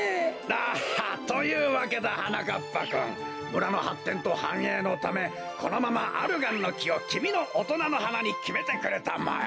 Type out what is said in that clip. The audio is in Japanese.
だはっ！というわけだはなかっぱくん村のはってんとはんえいのためこのままアルガンのきをきみのおとなのはなにきめてくれたまえ。